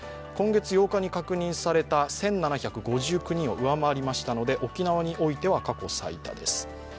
今月８日に確認された１７５９人を上回りましたので沖縄においては過去最多です。